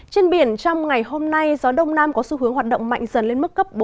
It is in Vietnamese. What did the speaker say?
trên biển trong ngày hôm nay gió đông nam có xu hướng hoạt động mạnh dần lên mức cấp bốn